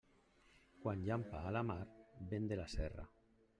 Quan llampa a la mar, vent de la serra.